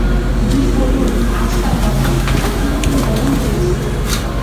গিয়ে বলুন, আজকাল হঠাৎ কিরকম গরম পড়েছে।